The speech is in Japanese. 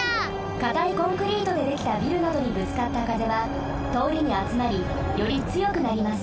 かたいコンクリートでできたビルなどにぶつかった風はとおりにあつまりよりつよくなります。